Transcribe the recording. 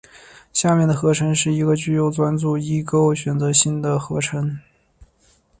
下面的合成是一个具有阻转异构选择性的合成。